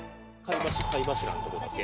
貝柱のとこだけ。